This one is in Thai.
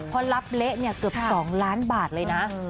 พอรับเละคือ๒ล้านบาทเลยนะ